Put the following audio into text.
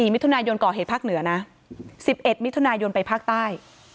มิถุนายนก่อเหตุภาคเหนือนะ๑๑มิถุนายนไปภาคใต้